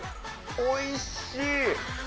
おいしい！